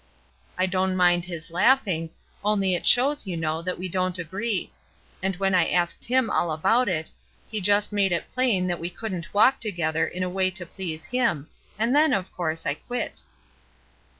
"I don' mind his laughing, only it shows, you know, that we don't agree; and when I asked Him all about it. He just made it plain that we couldn't walk together in a way to please Him, and then, of course, I quit."